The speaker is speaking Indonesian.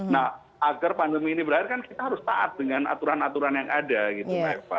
nah agar pandemi ini berakhir kan kita harus taat dengan aturan aturan yang ada gitu mbak eva